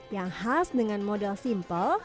yang khas dengan model simpel